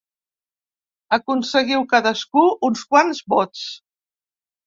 Aconseguiu cadascú uns quants vots.